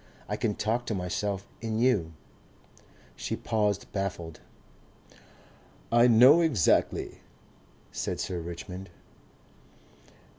I can talk to myself in you " She paused baffled. "I know exactly," said Sir Richmond.